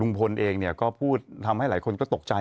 เองเนี่ยก็พูดทำให้หลายคนก็ตกใจ